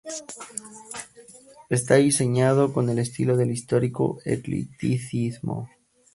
Está diseñado con el estilo del histórico eclecticismo.